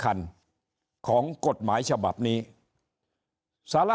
ถ้าท่านผู้ชมติดตามข่าวสาร